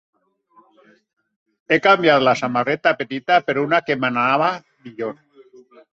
He canviat la samarreta petita per una que m'anava millor.